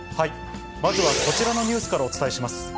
まずはこちらのニュースからお伝えします。